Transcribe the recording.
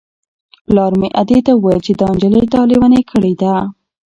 پلار مې ادې ته وویل چې دا نجلۍ تا لېونۍ کړې ده.